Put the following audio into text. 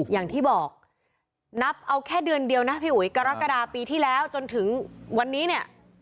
อย่างที่บอกนับเอาแค่เดือนเดียวนะพี่อุ๋ยกรกฎาปีที่แล้วจนถึงวันนี้เนี่ย